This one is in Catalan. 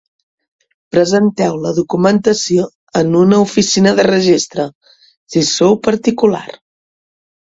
Presenteu la documentació en una oficina de registre, si sou particular.